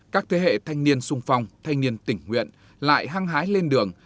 các thế hệ thanh niên sung phong thanh niên tỉnh nguyện lại hăng hái lên đường